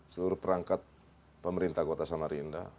seluruh perangkat pemerintah kota samarinda